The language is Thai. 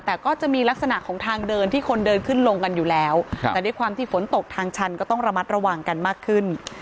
แต่ก็จะมีลักษณะของทางเดินที่คนเดินขึ้นลงกันอยู่แล้วแต่ด้วยความที่ฝนตกทางชันก็ต้องระมัดระวังกันมากขึ้น